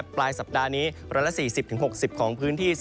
ปลายสัปดาห์นี้๑๔๐๖๐ของพื้นที่